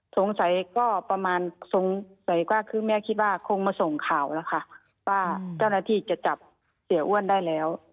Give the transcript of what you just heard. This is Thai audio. สงสัยก็ประมาณสงสัยก็คือแม่คิดว่าคงมาส่งข่าวแล้วค่ะว่าเจ้าหน้าที่จะจับเสียอ้วนได้แล้ว